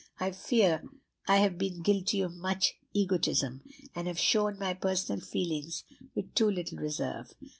I fear I have been guilty of much egotism, and have shown my personal feelings with too little reserve.